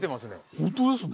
本当ですね。